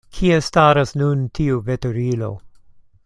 Kie staras nun tiu veturilo?